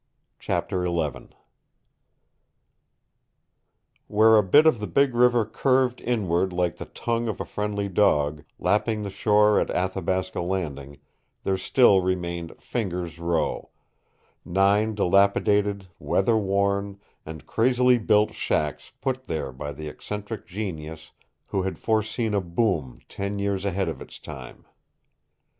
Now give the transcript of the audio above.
CHAPTER XI Where a bit of the big river curved inward like the tongue of a friendly dog, lapping the shore at Athabasca Landing, there still remained Fingers' Row nine dilapidated, weather worn, and crazily built shacks put there by the eccentric genius who had foreseen a boom ten years ahead of its time.